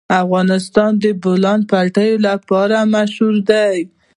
افغانستان د د بولان پټي لپاره مشهور دی.